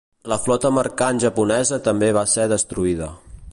La flota mercant japonesa també va ser destruïda.